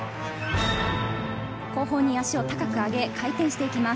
後方に足を高く上げ回転していきます。